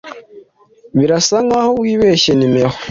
Birasa nkaho wibeshye numero.